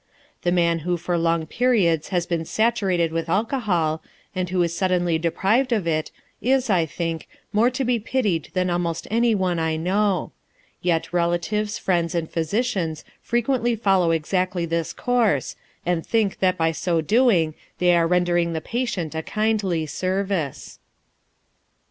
The man who for long periods has been saturated with alcohol, and who is suddenly deprived of it, is, I think, more to be pitied than almost any one I know; yet relatives, friends, and physicians frequently follow exactly this course, and think that by so doing they are rendering the patient a kindly service.